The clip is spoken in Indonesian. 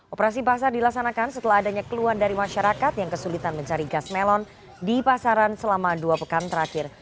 operasi pasar dilaksanakan setelah adanya keluhan dari masyarakat yang kesulitan mencari gas melon di pasaran selama dua pekan terakhir